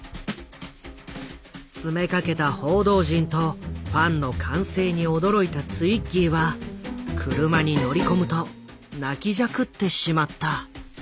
詰めかけた報道陣とファンの歓声に驚いたツイッギーは車に乗り込むと泣きじゃくってしまった。